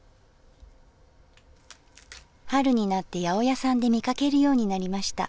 春になって八百屋さんで見かけるようになりました。